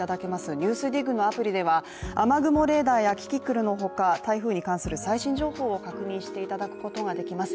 「ＮＥＷＳＤＩＧ」のアプリでは雨雲レーダーやキキクルのほか台風に関する最新情報を確認していただくことができます